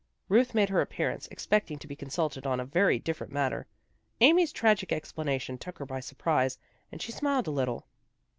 Ruth made her appearance, expecting to be consulted on a very different matter. Amy's tragic explanation took her by surprise, and she smiled a little.